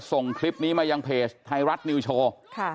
ส่งคลิปนี้มายังเพจไทยรัฐนิวโชว์